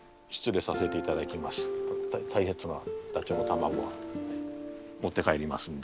大切なダチョウの卵は持って帰りますんで。